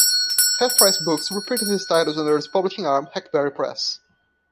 Half Price Books reprints these titles under its publishing arm, Hackberry Press.